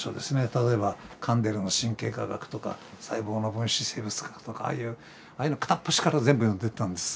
例えばカンデルの神経科学とか細胞の分子生物学とかああいうのを片っ端から全部読んでったんです。